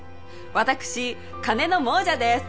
私金の亡者です